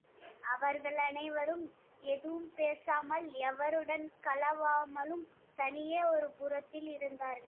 அவர்கள் அனைவரும் எதுவும் பேசாமலும், எவருடன் கலவாமலும் தனியே ஒரு புறத்தில் இருந்தார்கள்.